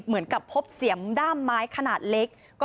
เหมือนกับพบเสียมด้ามไม้ขนาดเล็ก